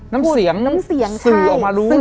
น้ำเสียงสื่อออกมารู้เลย